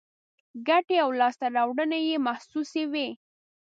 ګټې او لاسته راوړنې یې محسوسې وي.